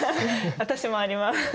私もあります。